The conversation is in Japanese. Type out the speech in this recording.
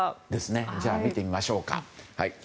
じゃあ見てみましょうか。